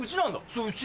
そううち。